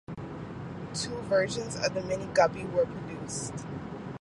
Two versions of the Mini Guppy were produced.